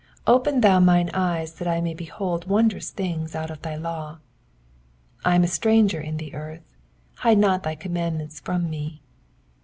1 8 Open thou mine eyes, that I may behold wondrous things out of thy law. 19 I am a stranger in the earth : hide not thy commandments from me.